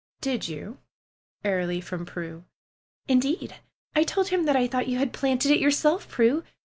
"Did you?" airily from Prue. "Indeed, I told him that I thought you had planted it yourself, Prue